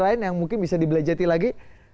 lain yang mungkin bisa dibelajati lagi